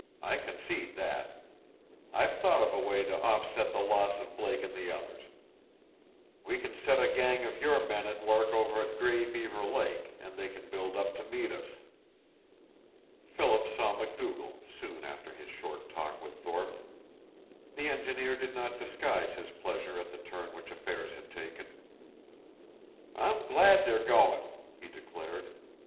I concede that. I've thought of a way to offset the loss of Blake and the others. We can set a gang of your men at work over at Gray Beaver Lake, and they can build up to meet us." Philip saw MacDougall soon after his short talk with Thorpe. The engineer did not disguise his pleasure at the turn which affairs had taken. "I'm glad they're going," he declared.